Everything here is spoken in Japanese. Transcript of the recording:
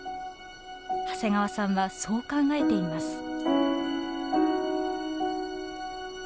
長谷川さんはそう考えています。